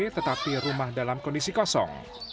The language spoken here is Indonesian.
tetapi rumah dalam kondisi kosong